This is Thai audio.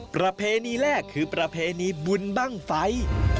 ประเพณีแรกคือประเพณีบุญบ้างไฟ